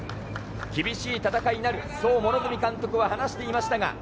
厳しい戦いになる両角監督は話していました。